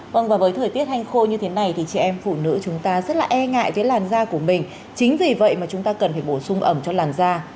vâng và với thời tiết hanh khô như thế này thì chị em phụ nữ chúng ta rất là e ngại với làn da của mình chính vì vậy mà chúng ta cần phải bổ sung ẩm cho làn da